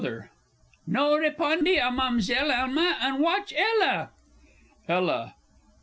Ne repondy à Ma'amzell, Alma, and watch Ella! ELLA.